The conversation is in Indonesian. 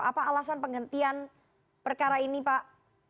apa alasan penghentian perkara ini pak